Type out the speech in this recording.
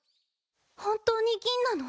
本当に銀なの？